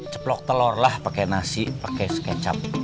ceplok telor lah pakai nasi pakai ketchup